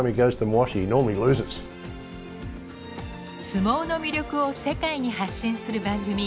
相撲の魅力を世界に発信する番組。